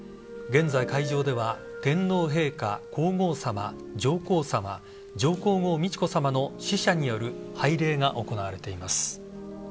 現在、会場では天皇陛下、皇后さま上皇さま、上皇后・美智子さまの使者による拝礼が行われています。